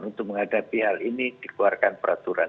untuk menghadapi hal ini dikeluarkan peraturan